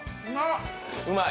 うまい？